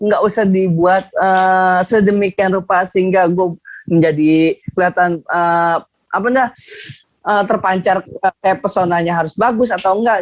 ga usah dibuat sedemikian rupa sehingga gua menjadi kelihatan terpancar kayak persona nya harus bagus atau engga